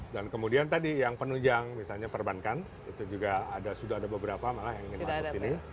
dan kemudian tadi yang penunjang misalnya perbankan itu juga sudah ada beberapa malah yang ingin masuk sini